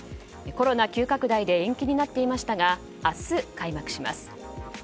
コロナ急拡大で延期になっていましたが明日、開幕します。